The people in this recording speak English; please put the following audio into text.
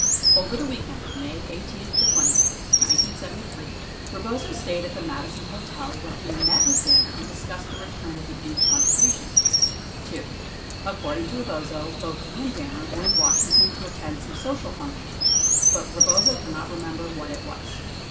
Over the weekend of May 18 20, 1973, Rebozo stayed at the Madison Hotel where he met with Danner and discussed the return of the Hughes contribution. 2. According to Rebozo, both he and Danner were in Washing ton to attend some social function but Rebozo cannot remember what it was.